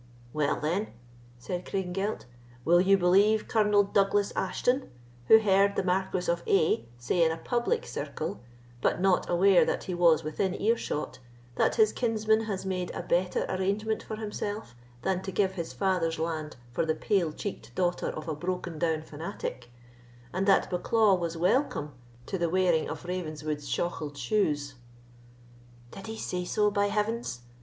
"Well, then," said Craigengelt, "will you believe Colonel Douglas Ashton, who heard the Marquis of A—— say in a public circle, but not aware that he was within ear shot, that his kinsman had made a better arrangement for himself than to give his father's land for the pale cheeked daughter of a broken down fanatic, and that Bucklaw was welcome to the wearing of Ravenswood's shaughled shoes." "Did he say so, by heavens!"